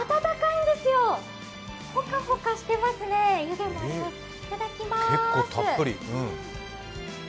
いただきます。